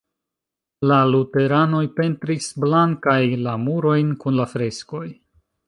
La luteranoj pentris blankaj la murojn kun la freskoj.